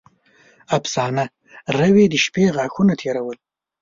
افسانه: روې د شپې غاښونه تېرول.